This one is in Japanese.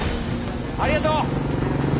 ありがとう。